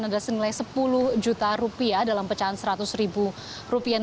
adalah senilai sepuluh juta rupiah dalam pecahan seratus ribu rupiah